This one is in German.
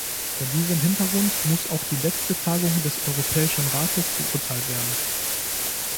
Vor diesem Hintergrund muss auch die letzte Tagung des Europäischen Rates beurteilt werden.